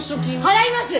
払います！